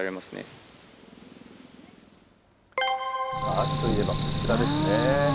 秋といえばこちらですね。